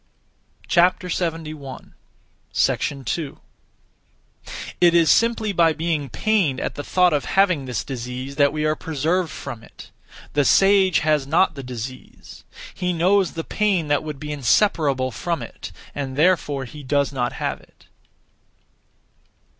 2. It is simply by being pained at (the thought of) having this disease that we are preserved from it. The sage has not the disease. He knows the pain that would be inseparable from it, and therefore he does not have it.